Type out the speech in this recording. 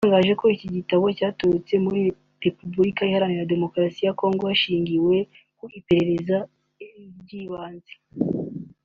yatangaje ko icyo gitero cyaturutse muri Repubulika Iharanira Demokarasi ya Congo hashingiwe ku iperereza ry’ibanze